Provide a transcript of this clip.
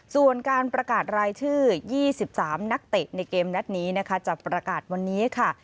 ส่วนการประกาศรายชื่อ๒๓นักเตะในเกมนัดนี้นะคะจะประกาศวันนี้ค่ะ